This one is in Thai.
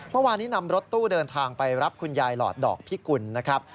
เมื่อวานนี้นำรถตู้เดินทางไปรับคุณยายหลอดดอกพิกุลนะครับ